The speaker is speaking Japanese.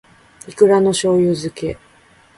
いくらの醬油漬け